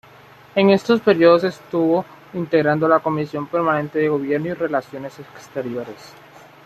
En estos períodos estuvo integrando la Comisión permanente de Gobierno y Relaciones Exteriores.